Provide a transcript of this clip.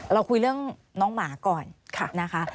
เราคุยเรื่องน้องหมาก่อนนะคะ